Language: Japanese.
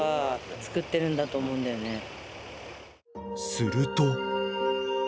［すると］